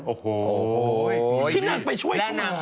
โอ้โหที่นางไปช่วยทุกคน